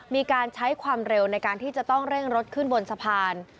มีการใช้ความเร็วในการที่จะต้องเร่งรถขึ้นบนสะพาน